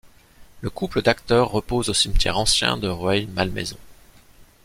Le couple d'acteurs repose au cimetière ancien de Rueil-Malmaison.